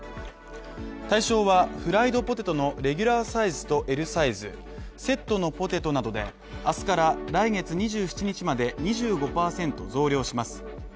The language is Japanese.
対象は、フライドポテトのレギュラーサイズとＬサイズ、セットのポテトなどであすから来月２７日まで２５％増量します。